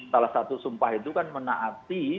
salah satu sumpah itu kan menaati